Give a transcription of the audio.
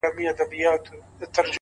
له يوه كال راهيسي”